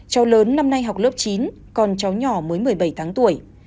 cháu lớn năm nay học lớp chín còn cháu nhỏ mới một mươi bảy tháng tuổi